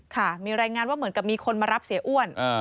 ค่ะมีรายงานว่าเหมือนกับมีคนมารับเสียอ้วน